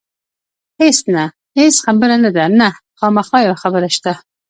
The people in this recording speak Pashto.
هېڅ نه، هېڅ خبره نه ده، نه، خامخا یوه خبره شته.